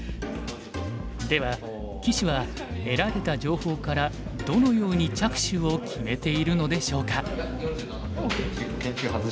では棋士は得られた情報からどのように着手を決めているのでしょうか？